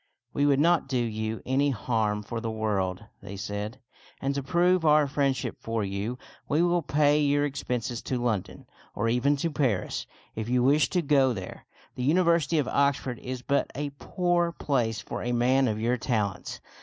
"We would not do you any harm for the world," they said ;" and to prove our friendship for you, we will pay your expenses to London, or even to Paris, if you wish to go there. The University of Oxford is but a poor place for a man of your talents.